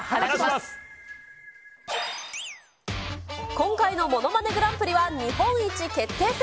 今回のものまねグランプリは、日本一決定戦。